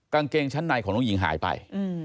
กางเกงชั้นในของน้องหญิงหายไป